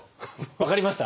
分かりました？